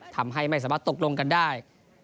ทำให้ไม่สามารถตกลงกันได้